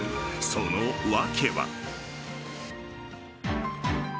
その訳は。